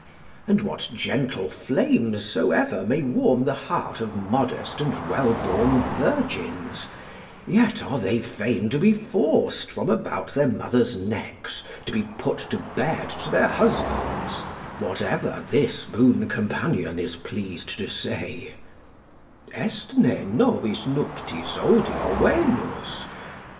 And what gentle flame soever may warm the heart of modest and wellborn virgins, yet are they fain to be forced from about their mothers' necks to be put to bed to their husbands, whatever this boon companion is pleased to say: "Estne novis nuptis odio Venus?